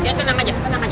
ya tenang aja tenang aja